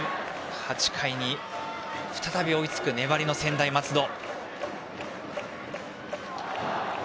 ８回に再び追いつく粘りの専大松戸。